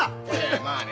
まあね。